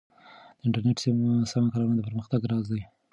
د انټرنیټ سمه کارونه د پرمختګ راز دی.